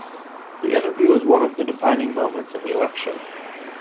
The interview was one of the defining moments in the election.